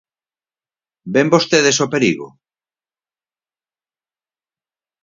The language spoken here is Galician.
¿Ven vostedes o perigo?